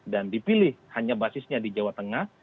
dan dipilih hanya basisnya di jawa tengah